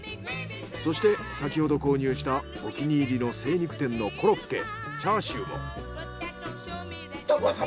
そして先ほど購入したお気に入りの精肉店のコロッケチャーシューも。